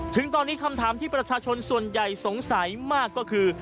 ถึงตอนนี้คำถามที่ประชาชนส่วนใหญ่สงสัยมากก็คือ